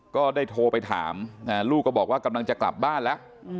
ก็ได้โทรไปถามลูกก็บอกว่ากำลังจะกลับบ้านแล้ว